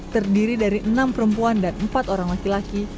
terdiri dari enam perempuan dan empat orang laki laki